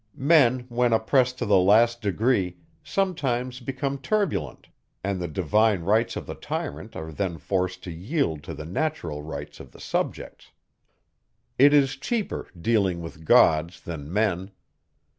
Men when oppressed to the last degree, sometimes become turbulent; and the divine rights of the tyrant are then forced to yield to the natural rights of the subjects. It is cheaper dealing with gods than men.